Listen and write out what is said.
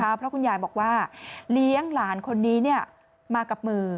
เพราะคุณยายบอกว่าเลี้ยงหลานคนนี้มากับมือ